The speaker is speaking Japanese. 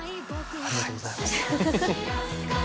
ありがとうございます。